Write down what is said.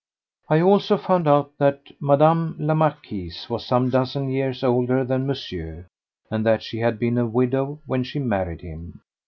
I also found out that Mme. la Marquise was some dozen years older than Monsieur, and that she had been a widow when she married him.